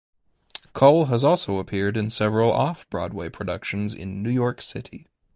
Cole has also appeared in several off-Broadway productions in New York City.